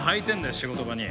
仕事場に。